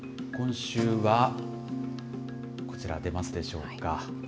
今週はこちら、出ますでしょうか。